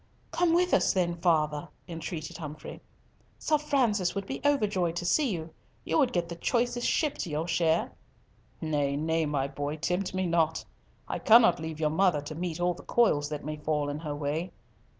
"Come with us, then, father," entreated Humfrey. "Sir Francis would be overjoyed to see you. You would get the choicest ship to your share." "Nay, nay, my boy, tempt me not; I cannot leave your mother to meet all the coils that may fall in her way!